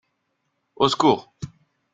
Au secours !